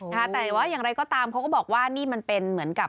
แต่ว่าอย่างไรก็ตามเขาก็บอกว่านี่มันเป็นเหมือนกับ